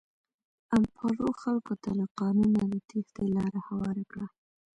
امپارو خلکو ته له قانونه د تېښتې لاره هواره کړه.